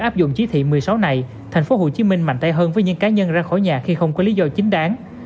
để áp dụng chí thị một mươi sáu này thành phố hồ chí minh mạnh tay hơn với những cá nhân ra khỏi nhà khi không có lý do chính đáng